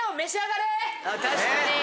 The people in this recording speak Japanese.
確かに！